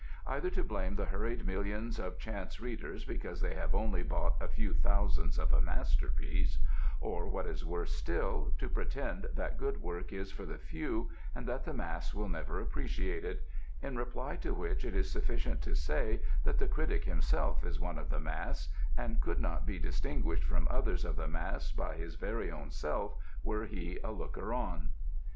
Either to blame the hurried millions of chance readers because they have only bought a few thousands of a masterpiece; or, what is worse still, to pretend that good work is for the few and that the mass will never appreciate it in reply to which it is sufficient to say that the critic himself is one of the mass and could not be distinguished from others of the mass by his very own self were he a looker on.